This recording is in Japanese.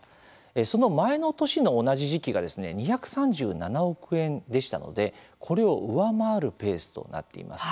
その前の年の同じ時期が２３７億円でしたのでこれを上回るペースとなっています。